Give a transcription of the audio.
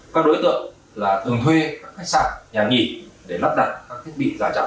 các đối tượng là thường thuê các khách sạn nhà nghỉ để lắp đặt các thiết bị giả chặn